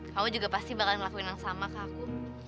kamu juga pasti bakal ngelakuin yang sama ke aku